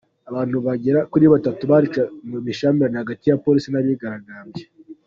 Abantu bagera kuri batatu barishwe mu bushyamirane hagati ya polisi n'abigaragambya.